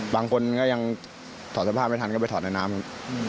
บางคนก็ยังถอดเสื้อผ้าไม่ทันก็ไปถอดในน้ำครับ